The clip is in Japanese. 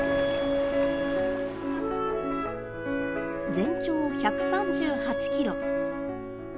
全長１３８キロ。